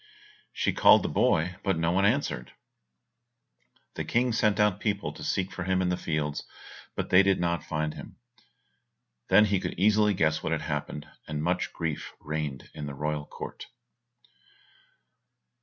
She called the boy, but no one answered. The King sent out people to seek for him in the fields, but they did not find him. Then he could easily guess what had happened, and much grief reigned in the royal court.